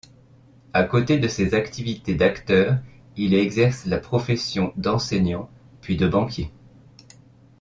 À côté de ses activités d'acteur, il exerce la profession d'enseignant puis de banquier.